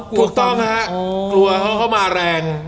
ถูกต้องครับกลัวเขามาแรง